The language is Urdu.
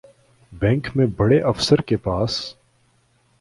بینک میں بڑے افسر کے پاس